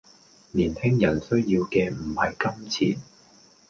年輕人需要嘅唔係金錢